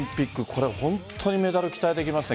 これ、本当にメダル期待できますね。